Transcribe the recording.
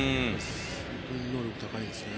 本当に能力が高いですね。